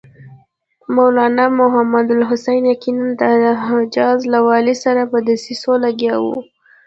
مولنا محمودالحسن یقیناً د حجاز له والي سره په دسیسو لګیا و.